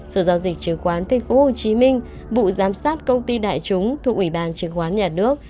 sở giao dịch chứng khoán tp hcm vụ giám sát công ty đại chúng thuộc ủy ban chứng khoán nhà nước